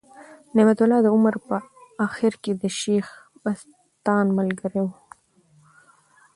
نعمت الله د عمر په آخر کي د شېخ بستان ملګری ؤ.